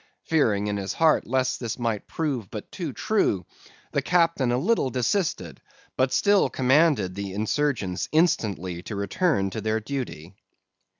Fearing in his heart lest this might prove but too true, the captain a little desisted, but still commanded the insurgents instantly to return to their duty.